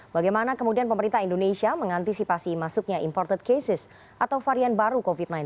bagaimana kemudian pemerintah indonesia mengantisipasi masuknya imported cases atau varian baru covid sembilan belas